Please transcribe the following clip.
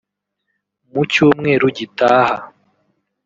mu cyumweru gitaha